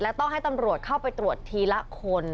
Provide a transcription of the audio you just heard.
และต้องให้ตำรวจเข้าไปตรวจทีละคน